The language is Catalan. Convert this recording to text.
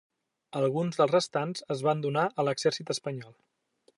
Alguns dels restants es van donar a l'exèrcit espanyol.